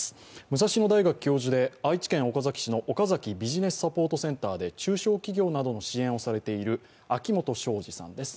武蔵野大学教授で愛知県岡崎市の岡崎ビジネスサポートセンターで中小企業などの支援をされている秋元祥治さんです。